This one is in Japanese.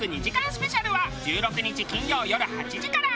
スペシャルは１６日金曜よる８時から。